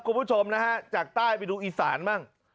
คุณผู้ชมนะฮะจากใต้ไปดูอีสานบ้าง